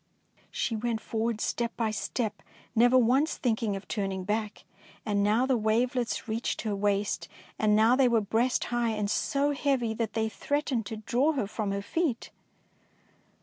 She went forward, step by step, never once thinking of turning back; and now the wavelets reached her waist, and now they were breast high and so heavy that they threatened to draw her from her feet.